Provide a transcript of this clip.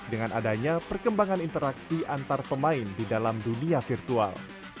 dengan adanya perkembangan interaksi antar pemain di dalam dunia virtual